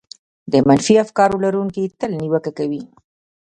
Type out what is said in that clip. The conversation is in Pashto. د منفي افکارو لرونکي تل نيوکه کوي.